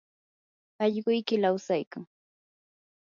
allquyki lawsaykan.